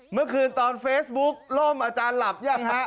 เมื่อคืนตอนเฟซบุ๊กล่มอาจารย์หลับยังฮะ